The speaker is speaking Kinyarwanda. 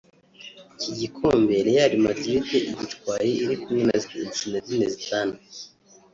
Iki gikombe Real Madrid igitwaye iri kumwe na Zinedine Zidane